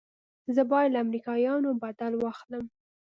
زه بايد له امريکايانو بدل واخلم.